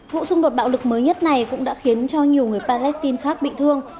vụ xung đột bạo lực mới nhất này cũng đã khiến cho nhiều người palestine khác bị thương